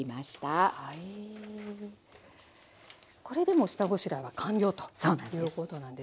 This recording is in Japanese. これでもう下ごしらえは完了ということなんですね。